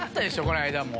この間も。